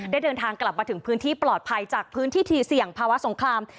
เดินทางกลับมาถึงพื้นที่ปลอดภัยจากพื้นที่ทีเสี่ยงภาวะสงคราม